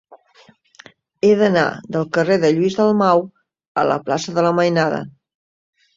He d'anar del carrer de Lluís Dalmau a la plaça de la Mainada.